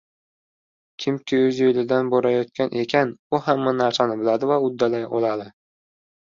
Kimki o‘z yo‘lidan borayotgan ekan, u hamma narsani biladi va uddalay oladi.